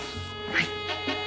はい。